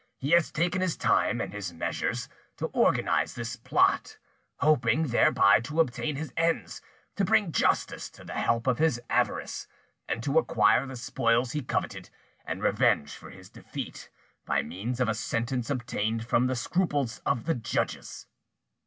He has taken his time and his measures to organise this plot, hoping thereby to obtain his ends, to bring justice to the help of his avarice, and to acquire the spoils he coveted, and revenge for his defeat, by means of a sentence obtained from the scruples of the judges."